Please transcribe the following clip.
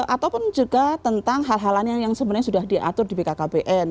ataupun juga tentang hal hal lain yang sebenarnya sudah diatur di bkkbn